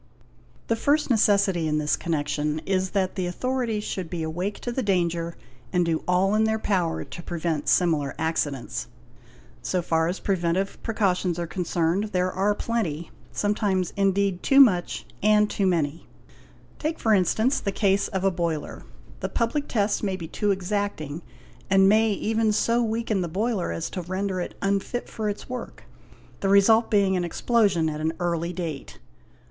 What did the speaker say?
The first necessity in this connection is that the authorities should be awake to the danger and do all in their power to prevent similar accidents. So far as preventive precautions are concerned, there are plenty—some times indeed too much and too many. 'Take for instance the case of a boiler; the public tests may be too exacting and may even so weaken the boiler as to render it unfit for its work, the result being an explosion at an early date.